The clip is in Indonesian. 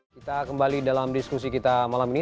kita kembali dalam diskusi kita malam ini